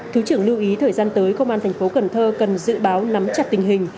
thứ trưởng lưu ý thời gian tới công an thành phố cần thơ cần dự báo nắm chặt tình hình